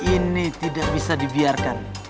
ini tidak bisa dibiarkan